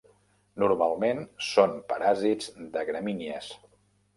Normalment són paràsits de gramínies.